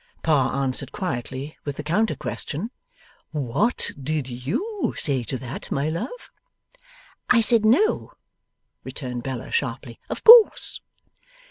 Pa answered quietly with the counter question, 'What did YOU say to that, my love?' 'I said No,' returned Bella sharply. 'Of course.